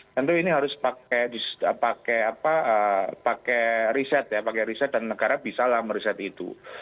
tentu ini harus pakai riset ya pakai riset dan negara bisa lah meriset itu